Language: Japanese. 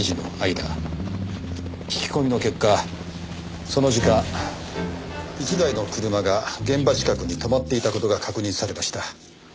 聞き込みの結果その時間１台の車が現場近くに止まっていた事が確認されました。